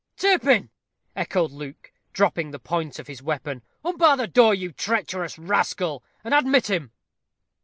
"Turpin!" echoed Luke, dropping the point of his weapon. "Unbar the door, you treacherous rascal, and admit him."